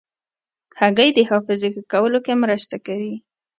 هګۍ د حافظې ښه کولو کې مرسته کوي.